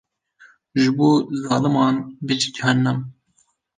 Ji bo zaliman bijî cehennem.